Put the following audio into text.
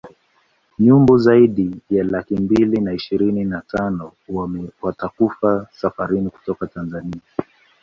Nyumbu zaidi ya laki mbili na ishirini na tano watakufa safarini kutoka Tanzania